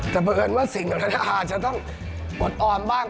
แต่เผอิญว่าสิ่งนั้นอาจจะต้องอดออมบ้าง